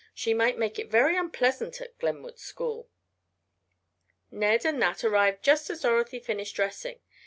She might make it very unpleasant at Glenwood School." Ned and Nat arrived just as Dorothy finished dressing.